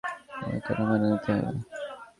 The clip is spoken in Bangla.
তোমাকে কেন মেনে নিতে হবে?